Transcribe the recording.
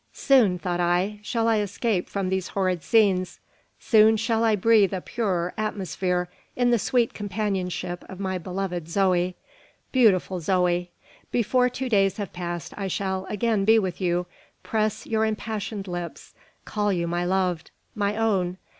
"Soon," thought I, "shall I escape from these horrid scenes; soon shall I breathe a purer atmosphere in the sweet companionship of my beloved Zoe. Beautiful Zoe! before two days have passed I shall again be with you, press your impassioned lips, call you my loved: my own!